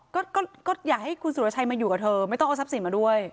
ก็อยากให้คุณสุรชัยมาอยู่กับเธอไม่ต้องเอาทรัพย์สินมาด้วย